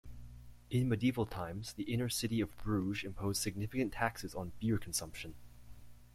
In medieval times, the inner city of Bruges imposed significant taxes on beer consumption.